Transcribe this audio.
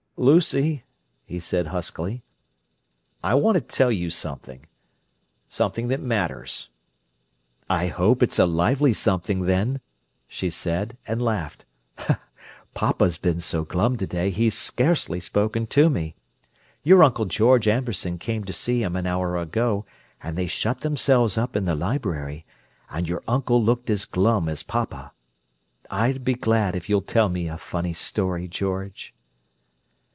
"Lucy," he said huskily, "I want to tell you something. Something that matters." "I hope it's a lively something then," she said; and laughed. "Papa's been so glum to day he's scarcely spoken to me. Your Uncle George Amberson came to see him an hour ago and they shut themselves up in the library, and your uncle looked as glum as papa. I'd be glad if you'll tell me a funny story, George."